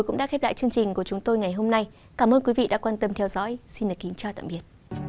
cảm ơn quý vị đã quan tâm theo dõi xin kính chào tạm biệt